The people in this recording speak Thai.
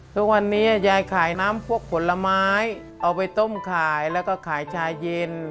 ทุกวันนี้ยายขายน้ำพวกผลไม้เอาไปต้มขายแล้วก็ขายชาเย็น